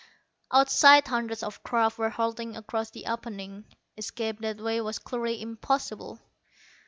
Outside hundreds of craft were hurtling across the opening. Escape that way was clearly impossible.